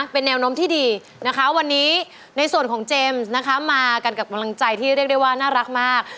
เป็นแนวโน้มที่ดีนะคะวันนี้ในส่วนของเจมส์นะคะมากันกับกำลังใจที่เรียกได้ว่าน่ารักมาก